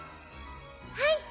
はい！